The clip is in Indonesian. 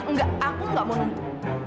nggak aku nggak mau nunggu